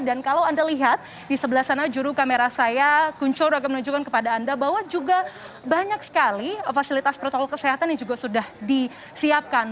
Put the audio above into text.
dan kalau anda lihat di sebelah sana juru kamera saya kuncur agar menunjukkan kepada anda bahwa juga banyak sekali fasilitas protokol kesehatan yang juga sudah disiapkan